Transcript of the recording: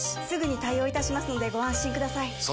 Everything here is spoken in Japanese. すぐに対応いたしますのでご安心ください